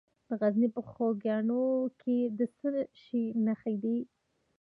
د غزني په خوږیاڼو کې د څه شي نښې دي؟